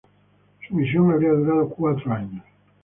Su misión habría durado cuatro años.